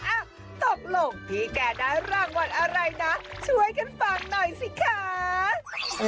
อ่ะตกลงพี่แกได้รางวัลอะไรนะช่วยกันฟังหน่อยสิคะ